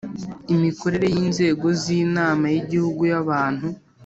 imikorere y inzego z Inama y Igihugu y Abantu